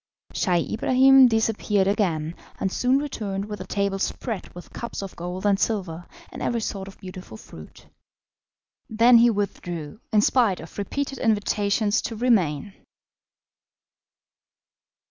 Scheih Ibrahim disappeared again, and soon returned with a table spread with cups of gold and silver, and every sort of beautiful fruit. Then he withdrew, in spite of repeated invitations to remain.